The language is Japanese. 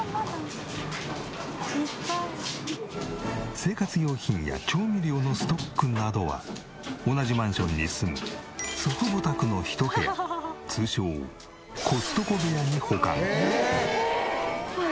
生活用品や調味料のストックなどは同じマンションに住む祖父母宅の一部屋通称コストコ部屋に保管。